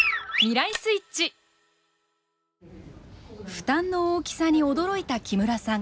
負担の大きさに驚いた木村さん。